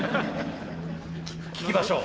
聞きましょう。